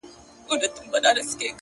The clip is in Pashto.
دا خواست د مړه وجود دی’ داسي اسباب راکه’